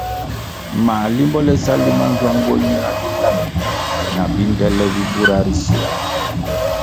Mā limbo le sa limanzwang bo nyina bilambi na bindele bi bura ri si!